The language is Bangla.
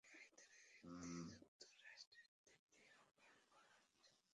আয়তনে এটি যুক্তরাষ্ট্রের তৃতীয় অঙ্গরাজ্য।